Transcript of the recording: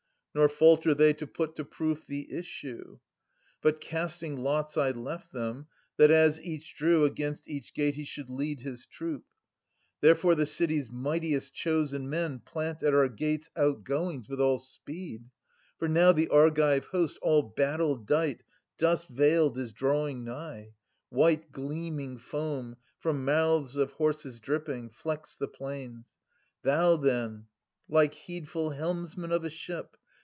Nor falter they to put to proof the issue ; But casting lots I left them, that, as each Drew, against each gate he should lead his troop. Therefore the city's mightiest chosen men Plant at oiu: gates' outgoings with all speed ; For now the Argive host all battle dight Dust veiled is drawing nigh : white gleaming foam, 60 From mouths of horses dripping, flecks the plains. Thou then, like heedful helmsman of a ship.